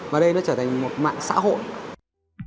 và đây nó trở thành một mạng xã hội